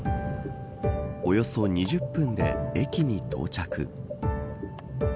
およそ２０分で駅に到着。